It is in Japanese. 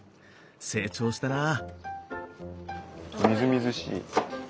成長したなあ。